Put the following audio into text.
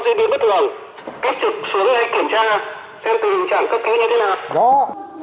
xem tình trạng cấp kế như thế nào